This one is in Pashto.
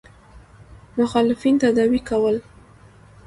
مخالفین تداوي کول.